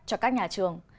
cho các nhà trường